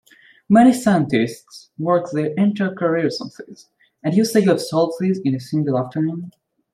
Many scientists work their entire careers on this, and you say you have solved this in a single afternoon?